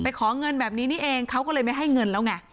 ขอเงินแบบนี้นี่เองเขาก็เลยไม่ให้เงินแล้วไง